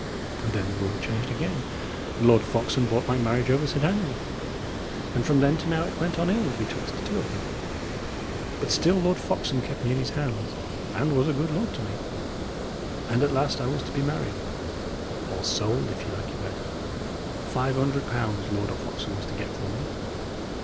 And then the world changed again, and Lord Foxham bought my marriage over Sir Daniel's; and from then to now it went on ill betwixt the two of them. But still Lord Foxham kept me in his hands, and was a good lord to me. And at last I was to be married or sold, if ye like it better. Five hundred pounds Lord Foxham was to get for me.